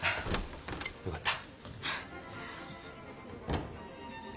よかった。